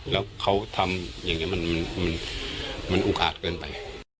แล้วเขาทำอย่างนี้มันอุกอาจเกินไป